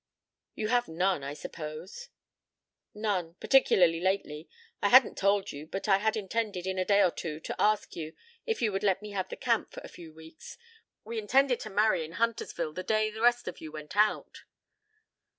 ... You have none, I suppose?" "None. Particularly lately. I hadn't told you, but I had intended, in a day or two, to ask you if you would let me have the camp for a few weeks. We intended to marry in Huntersville the day the rest of you went out."